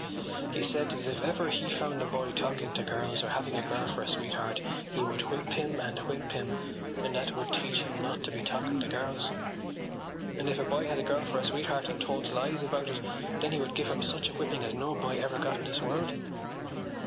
He said that if ever he found a boy talking to girls or having a girl for a sweetheart he would whip him and whip him; and that would teach him not to be talking to girls. And if a boy had a girl for a sweetheart and told lies about it then he would give him such a whipping as no boy ever got in this world.